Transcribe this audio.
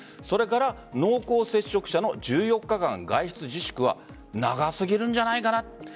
それから濃厚接触者の１４日間外出自粛は長すぎるんじゃないかな。